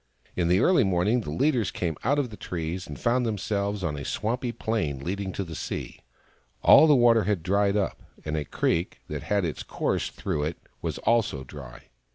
In the early morning the leaders came out of the trees, and found themselves on a swampy plain leading to the sea. All the water had dried up, and a creek that had its course through it was also dry.